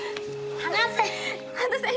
離せ！